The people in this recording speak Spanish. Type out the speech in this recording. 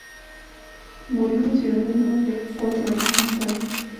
Murió en la ciudad de Nueva York cuatro años más tarde.